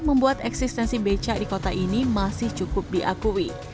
membuat eksistensi beca di kota ini masih cukup diakui